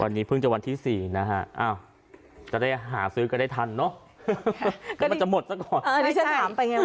วันนี้เพิ่งจะวันที่๔นะฮะจะได้หาซื้อก็ได้ทันเนาะมันจะหมดซะก่อน